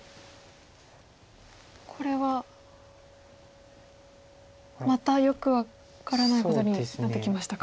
これはまたよく分からないことになってきましたか？